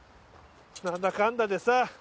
んだかんだでさあ。